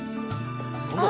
何だ？